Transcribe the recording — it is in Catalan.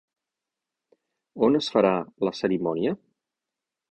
On es farà, la cerimònia?